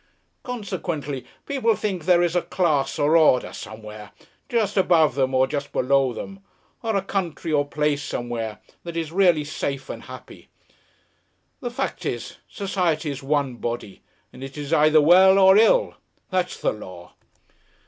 Consequently people think there is a class or order somewhere, just above them or just below them, or a country or place somewhere, that is really safe and happy. The fact is, Society is one body, and it is either well or ill. That's the law.